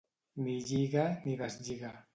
Ni lliga ni deslliga.